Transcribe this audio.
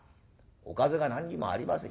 『おかずが何にもありません』？